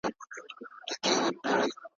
د فکر ازادي د انسان حق دی.